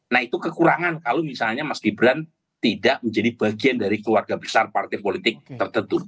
nah itu kekurangan kalau misalnya mas gibran tidak menjadi bagian dari keluarga besar partai politik tertentu